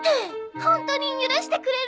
ホントに許してくれる？